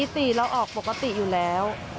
ตีเราออกปกติอยู่แล้ว